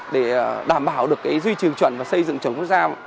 để đảm bảo được cái duy trường chuẩn và xây dựng trường quốc gia